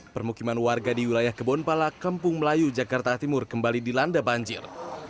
permukiman warga di wilayah kebonpala kampung melayu jakarta timur kembali dilanda banjir